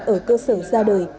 ở cơ sở ra đời